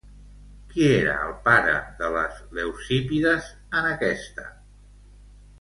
Qui era el pare de les Leucípides en aquesta?